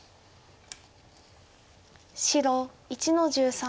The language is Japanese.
白１の十三。